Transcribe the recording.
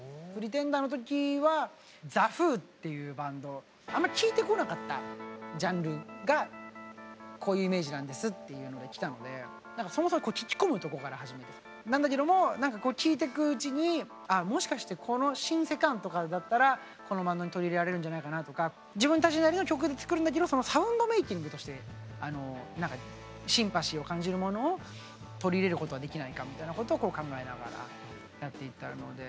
「Ｐｒｅｔｅｎｄｅｒ」の時はザ・フーっていうバンドあんま聴いてこなかったジャンルが「こういうイメージなんです」っていうので来たのでそもそも聴き込むとこから始めてなんだけども聴いていくうちにあもしかしてこのシンセ感とかだったらこのバンドに取り入れられるんじゃないかなとか自分たちなりの曲で作るんだけどサウンドメーキングとしてシンパシーを感じるものを取り入れることはできないかみたいなことを考えながらやっていったので。